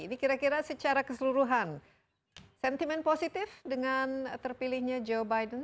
ini kira kira secara keseluruhan sentimen positif dengan terpilihnya joe biden